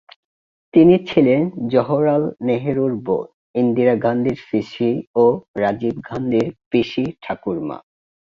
তিনি ছিলেন জওহরলাল নেহেরুর বোন, ইন্দিরা গান্ধীর পিসি ও রাজীব গান্ধীর পিসি-ঠাকুরমা।